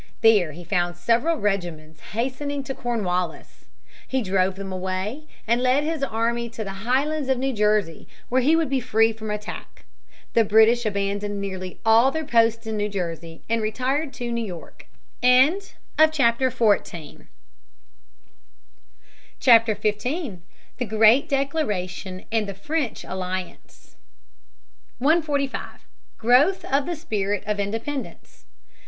There he found several regiments hastening to Cornwallis. He drove them away and led his army to the highlands of New Jersey where he would be free from attack. The British abandoned nearly all their posts in New Jersey and retired to New York. CHAPTER 15 THE GREAT DECLARATION AND THE FRENCH ALLIANCE [Sidenote: Rising spirit of independence, 1775 76.] 145. Growth of the Spirit of Independence.